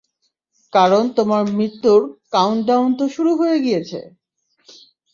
কারণ তোমার মৃত্যুর কাউন্ট-ডাউন তো শুরু হয়ে গিয়েছে!